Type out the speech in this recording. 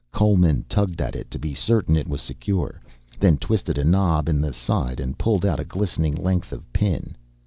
Coleman tugged at it to be certain it was secure, then twisted a knob in the side and pulled out a glistening length of pin.